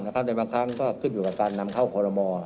ในบางครั้งก็ขึ้นอยู่กับการนำเข้าคอรมอ